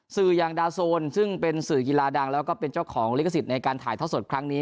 สื่ออย่างดาวโซนซึ่งเป็นสื่อกีฬาดังแล้วก็เป็นเจ้าของลิขสิทธิ์ในการถ่ายทอดสดครั้งนี้